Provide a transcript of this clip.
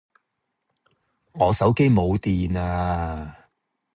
我手機冇電呀